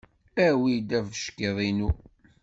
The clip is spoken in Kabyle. Awi-d abeckiḍ-inu.